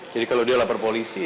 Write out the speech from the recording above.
jadi kalau dia lapar polisi